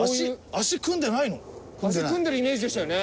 足組んでるイメージでしたよね。